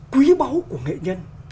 quý báu của nghệ nhân